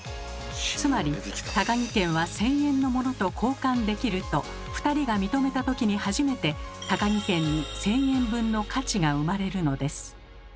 つまり「タカギ券は１，０００円のものと交換できる」と２人が認めたときに初めてタカギ券に１，０００円分の価値が生まれるのです。